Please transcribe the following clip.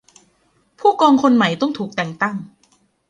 ผู้กองคนใหม่ต้องถูกแต่งตั้ง